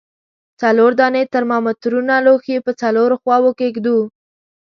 څلور دانې ترمامترونه لوښي په څلورو خواو کې ږدو.